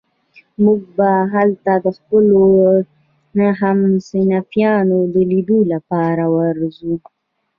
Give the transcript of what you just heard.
موږ به هلته د خپلو همصنفيانو د ليدو لپاره درځو.